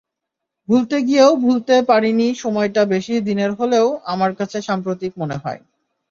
ভুলতে গিয়েও ভুলতে পারিনিসময়টা বেশি দিনের হলেও আমার কাছে সাম্প্রতিক মনে হয়।